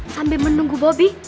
sambil menunggu bobby